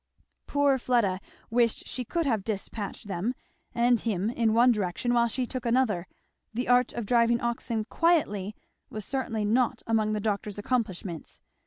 Poor Fleda wished she could have despatched them and him in one direction while she took another; the art of driving oxen quietly was certainly not among the doctor's accomplishments.